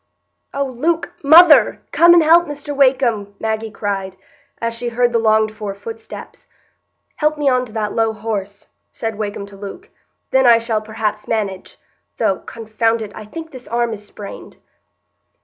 "Oh, Luke—mother—come and help Mr Wakem!" Maggie cried, as she heard the longed for footsteps. "Help me on to that low horse," said Wakem to Luke, "then I shall perhaps manage; though—confound it—I think this arm is sprained."